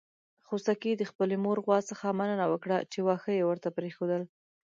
خوسکي د خپلې مور غوا څخه مننه وکړه چې واښه يې ورته پرېښودل.